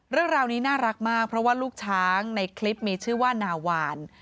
เรื่องราวนี้น่ารักมากเพราะว่าลูกช้างในคลิปมีชื่อว่านาวาน